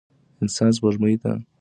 انسان سپوږمۍ ته ورسېد.